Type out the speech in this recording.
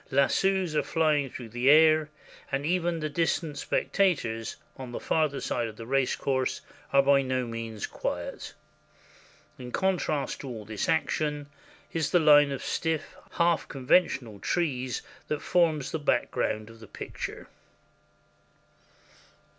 Lassos are flying through the air, and even the distant spec tators on the farther side of the race course are by no means quiet. In contrast with all this action is the line of stiff, half conventional trees that forms the background of the picture.